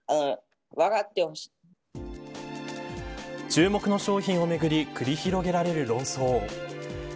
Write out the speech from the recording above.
注目の商品をめぐり繰り広げられる論争。